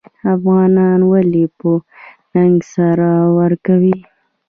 افغانان ولې په ننګ سر ورکوي؟